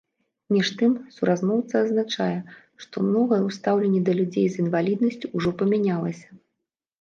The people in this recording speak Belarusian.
Між тым, суразмоўца адзначае, што многае ў стаўленні да людзей з інваліднасцю ўжо памянялася.